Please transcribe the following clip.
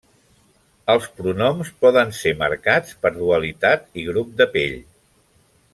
Els pronoms poden ser marcats per dualitat i grup de pell.